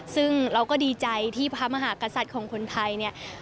ซึ่งเราก็ดีใจที่พระมหากษัตริย์ของคนไทยเนี่ย